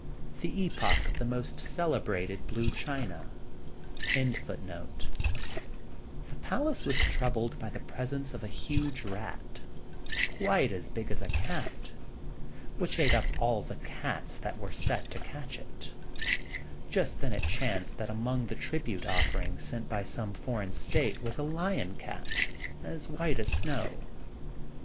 THE GREAT RAT. During the reign of the Emperor Wan Li, the palace was troubled by the presence of a huge rat, quite as big as a cat, which ate up all the cats that were set to catch it. Just then it chanced that among the tribute offerings sent by some foreign State was a lion cat, as white as snow.